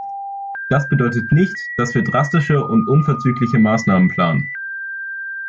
Das bedeutet nicht, dass wir drastische und unverzügliche Maßnahmen planen.